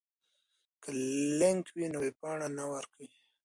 که لینک وي نو ویبپاڼه نه ورکیږي.